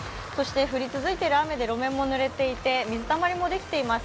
降り続いている雨で路面もぬれていて水たまりもできています。